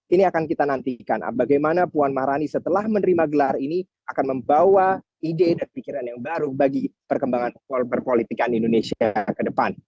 ini akan kita nantikan bagaimana puan maharani setelah menerima gelar ini akan membawa ide dan pikiran yang baru bagi perkembangan perpolitikan indonesia ke depan